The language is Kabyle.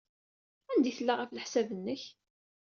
Anda ay tella, ɣef leṣab-nnek?